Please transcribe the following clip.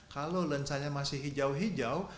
kalau lensanya masih hijau hijau